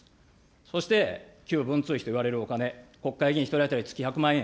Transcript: そして旧文通費といわれるお金、国会議員１人当たり月１００万円。